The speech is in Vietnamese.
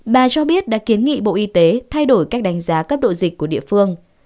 bà cho biết đã kiến nghị bộ y tế thay đổi cách đánh giá cấp độ dịch của địa phương